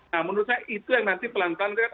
nah menurut saya itu yang nanti pelan pelan